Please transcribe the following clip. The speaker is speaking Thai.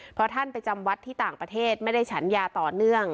เพราะท่านไปจำวัดที่ต่างประเทศไม่ได้ฉันยาต่อเนื่อง